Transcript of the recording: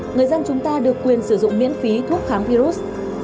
người dân chúng ta được quyền sử dụng miễn phí thuốc kháng virus